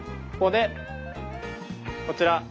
ここでこちら。